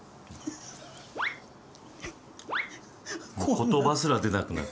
言葉すら出なくなる。